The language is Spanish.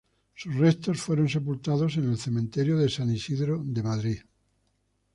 Sus restos fueron sepultados en el cementerio de San Isidro de Madrid.